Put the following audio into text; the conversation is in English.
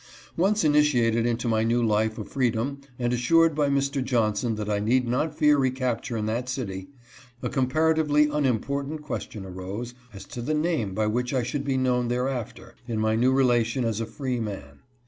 Once initiated into my new life of freedom and assured hy Mr. Johnson that I need not fear recapture in that city, a comparatively unimportant question arose, as to the name by which I should be known thereafter, in my new relation as a free man.